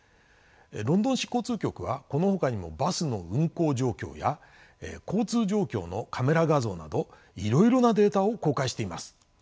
ロンドン市交通局はこのほかにもバスの運行状況や交通状況のカメラ画像などいろいろなデータを公開しています。